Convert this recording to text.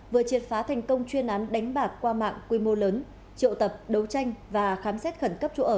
vừa triệt phá thành công chuyên án đánh bạc qua mạng quy mô lớn triệu tập đấu tranh và khám xét khẩn cấp chỗ ở